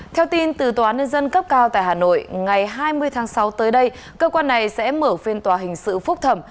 theo tin từ tòa nhân dân cấp cao tại hà nội ngày hai mươi tháng sáu tới đây cơ quan này sẽ mở phiên tòa hình sự phúc thẩm